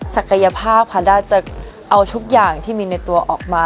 ศักยภาพแพนด้าจะเอาทุกอย่างที่มีในตัวออกมา